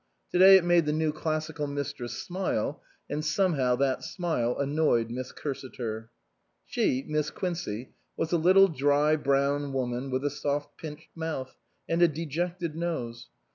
To day it made the new Classical Mistress smile, and somehow that smile annoyed Miss Cursiter. She, Miss Quincey, was a little dry, brown woman, with a soft pinched mouth, and a dejected nose.